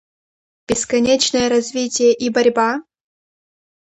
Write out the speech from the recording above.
Бесконечное развитие и борьба?..